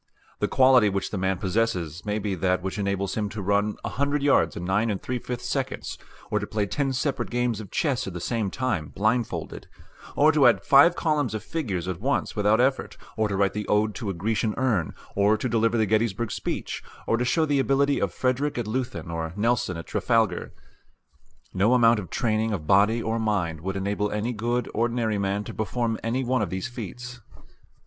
The quality which the man possesses may be that which enables him to run a hundred yards in nine and three fifths seconds, or to play ten separate games of chess at the same time blindfolded, or to add five columns of figures at once without effort, or to write the "Ode to a Grecian Urn," or to deliver the Gettysburg speech, or to show the ability of Frederick at Leuthen or Nelson at Trafalgar. No amount of training of body or mind would enable any good ordinary man to perform any one of these feats.